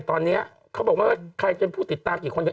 ตอนนี้เขาบอกว่าใครเป็นผู้ติดตามกี่คน